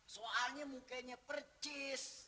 soalnya mukanya percis